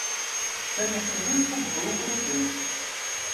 Сённяшні выступ быў крутым.